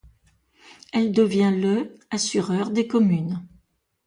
Elle devient le assureur des communes.